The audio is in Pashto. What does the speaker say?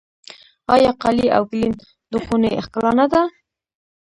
آیا قالي او ګلیم د خونې ښکلا نه ده؟